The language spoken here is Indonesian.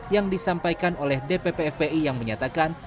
yang disampaikan oleh dpp fpi yang menyatakan